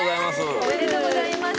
おめでとうございます！